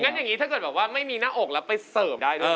อย่างนี้ถ้าเกิดแบบว่าไม่มีหน้าอกแล้วไปเสิร์ฟได้ด้วย